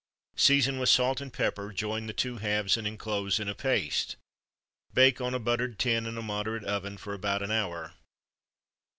Season with salt and pepper, join the two halves, and enclose in a paste. Bake on a buttered tin, in a moderate oven, for about an hour.